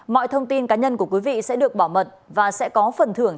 mọi thông tin cá nhân của quý vị sẽ được bảo mật và sẽ có phần thưởng